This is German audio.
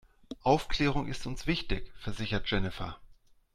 Aufklärung ist uns wichtig, versichert Jennifer.